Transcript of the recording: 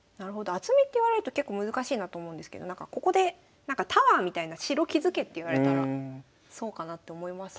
厚みって言われると結構難しいなと思うんですけどここでタワーみたいな城築けって言われたらそうかなって思いますね。